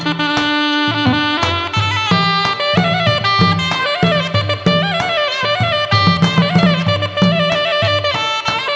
ก็จะจึงแค่การแบดที่ความสงุนชัวร์